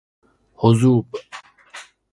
حظوب